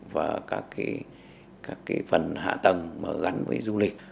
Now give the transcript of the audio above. và các phần hạ tầng gắn với du lịch